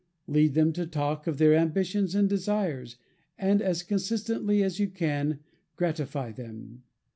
Lead them to talk of their ambitions and desires, and, as consistently as you can, gratify them.